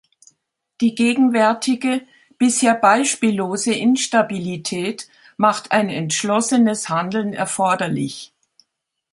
Die gegenwärtige, bisher beispiellose Instabilität macht ein entschlossenes Handeln erforderlich.